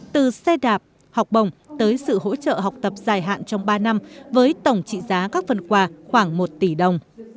từ xe đạp học bồng tới sự hỗ trợ học tập dài hạn trong ba năm với tổng trị giá các phần quà khoảng một tỷ đồng